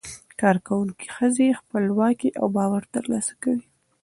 کارکوونکې ښځې خپلواکي او باور ترلاسه کوي.